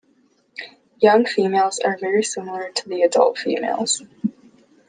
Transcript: Young females are very similar to the adult females.